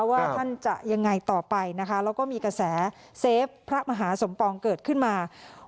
ว่าท่านจะยังไงต่อไปนะคะแล้วก็มีกระแสเซฟพระมหาสมปองเกิดขึ้นมา